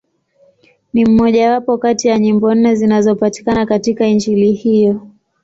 Ni mmojawapo kati ya nyimbo nne zinazopatikana katika Injili hiyo.